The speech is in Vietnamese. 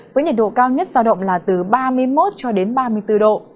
với nhiệt độ cao nhất giao động là từ ba mươi một cho đến ba mươi bốn độ